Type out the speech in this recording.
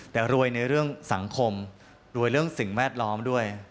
แต่รวยในเรื่องสังคมรวยเรื่องสิ่งแวดล้อมด้วย